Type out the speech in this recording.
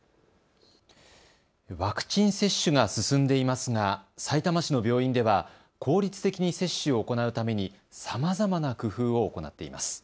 ワクチン接種が進んでいますがさいたま市の病院では、効率的に接種を行うために、さまざまな工夫を行っています。